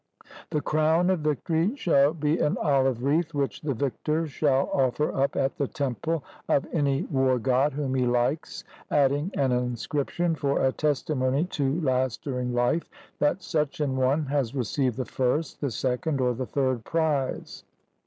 The crown of victory shall be an olive wreath which the victor shall offer up at the temple of any war god whom he likes, adding an inscription for a testimony to last during life, that such an one has received the first, the second, or the third prize.